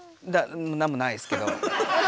なんもないですけど。